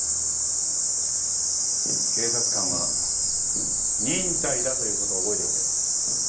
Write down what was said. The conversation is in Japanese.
警察官は忍耐だということを覚えておけ。